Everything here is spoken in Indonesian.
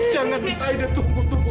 jangan aida tunggu tunggu